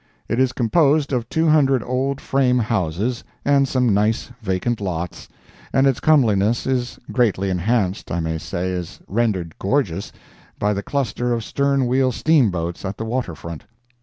It is composed of two hundred old frame houses and some nice vacant lots, and its comeliness is greatly enhanced, I may say is rendered gorgeous, by the cluster of stern wheel steamboats at the waterfront.